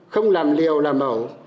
không làm liều làm ẩu